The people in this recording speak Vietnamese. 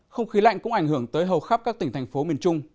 không khí lạnh cũng ảnh hưởng tới hầu khắp các tỉnh thành phố miền trung